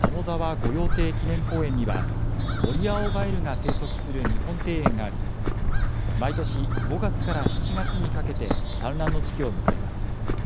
御用邸記念公園には、モリアオガエルが生息する日本庭園があり、毎年５月から７月にかけて、産卵の時期を迎えます。